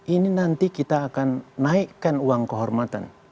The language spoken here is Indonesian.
ini nanti kita akan naikkan uang kehormatan